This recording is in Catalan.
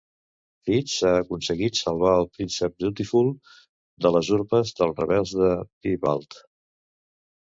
Fitz ha aconseguit salvar el príncep Dutiful de les urpes dels rebels de Piebald.